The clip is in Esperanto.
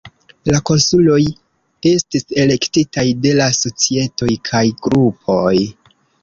La konsuloj estis elektitaj de la societoj kaj grupoj.